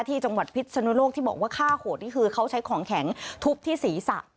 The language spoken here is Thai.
ที่จังหวัดพิษนุโลกที่บอกว่าฆ่าโหดนี่คือเขาใช้ของแข็งทุบที่ศีรษะ